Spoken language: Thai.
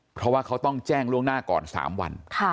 เพราะว่าเขาต้องแจ้งล่วงหน้าก่อน๓วัน